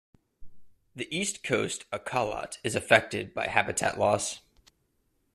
The east coast akalat is affected by habitat loss.